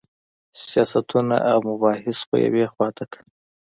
سیاستونه او مباحث خو یوې خوا ته کړه.